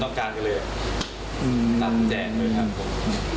ต้องเป็นใช่ไหม